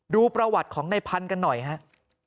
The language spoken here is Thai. ดูประวัติของในพันธุ์กันหน่อยครับ